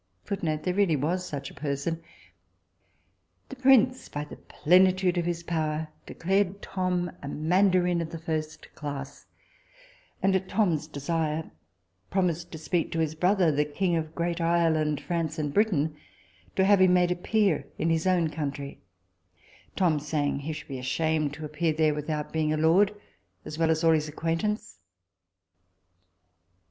The prince by the plenitude of his power declared Tom a mandarin of the first class, and at Tom's desire promised to speak to his brother the king of Great Ireland, France and Britain, to have him made a peer in his own country, Tom saying he should be ashamed to appear there without being a lord as well as all his acquaintance.